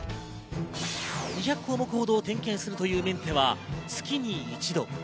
２００項目程を点検するというメンテは月に一度。